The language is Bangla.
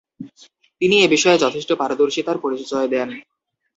তিনি এ বিষয়ে যথেষ্ট পারদর্শীতার পরিচয় দেন।